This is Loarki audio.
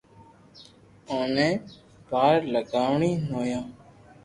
اوئي پار لاگاوئي نويا